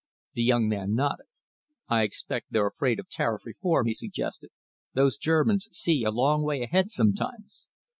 The young man nodded. "I expect they're afraid of tariff reform," he suggested. "Those Germans see a long way ahead sometimes."